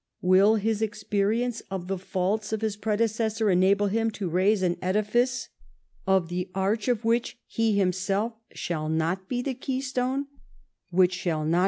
Will his experience of the faults of his predecessor enable him to raise an edifice, of the arch of which he himself shall not be the keystone; which shall not 128 LIFE OF PRINCE METTERNICE.